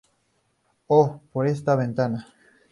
O por esta ventana".